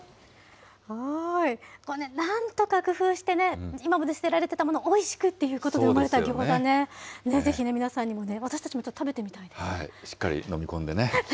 なんとか工夫して、今まで捨てられていたものをおいしくっていうことで生まれたギョーザね、ぜひ皆さんにもね、私たちもちょしっかり飲み込んでね。